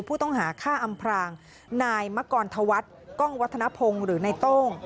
ผู้ต้องหาฆ่าอำพรางนายมะกรธวัฒน์กล้องวัฒนภงหรือนายโต้ง